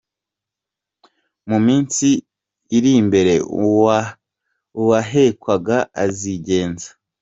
Mu minsi iri imbere, uwahekwaga azigenza.